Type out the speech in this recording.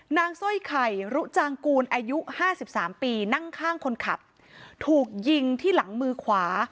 สร้อยไข่รุจางกูลอายุห้าสิบสามปีนั่งข้างคนขับถูกยิงที่หลังมือขวา